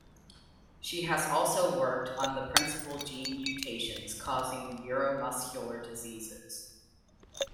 She has also worked on the principal gene mutations causing neuromuscular diseases.